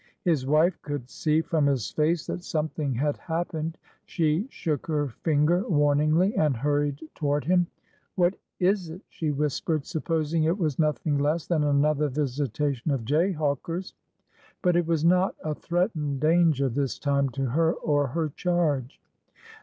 His wife could see from his face that something had happened. She shook her finger warningly and hurried toward him. What is it ?" she whispered, supposing it was nothing less than another visitation of jayhawkers. But it was not a threatened danger this time to her or her charge.